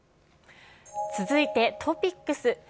続いてトピックス。